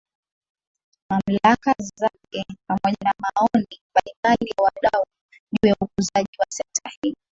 Mamlaka zake pamoja na maoni mbalimbali ya wadau juu ya ukuzaji wa sekta hii